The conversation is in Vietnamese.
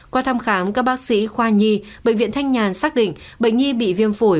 qua thăm khám các bác sĩ khoa nhi bệnh viện thanh nhàn xác định bệnh nhi bị viêm phổi